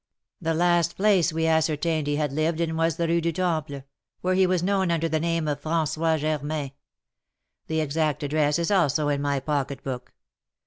The last place we ascertained he had lived in was the Rue du Temple, where he was known under the name of François Germain; the exact address is also in my pocketbook.